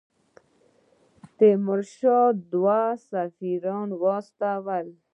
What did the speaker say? تیمورشاه دوه سفیران واستول.